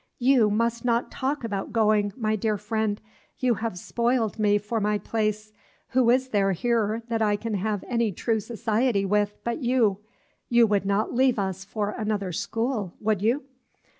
You must not talk about going, my dear friend; you have spoiled me for my place. Who is there here that I can have any true society with, but you? You would not leave us for another school, would you?"